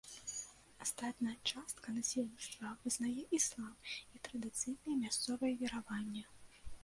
Астатняя частка насельніцтва вызнае іслам і традыцыйныя мясцовыя вераванні.